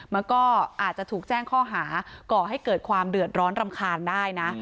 มันก็อาจจะถูกแจ้งข้อหาก่อให้เกิดความเดือดร้อนรำคาญได้นะ